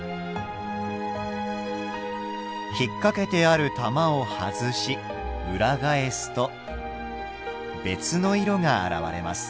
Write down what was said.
引っ掛けてある玉を外し裏返すと別の色が現れます。